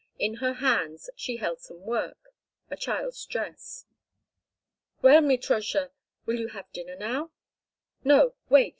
In her hands she held some work—a child's dress. "Well, Mitrosha, will you have dinner now?" "No. Wait.